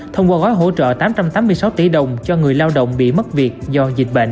thông qua gói hỗ trợ tám trăm tám mươi sáu tỷ đồng cho người lao động bị mất việc do dịch bệnh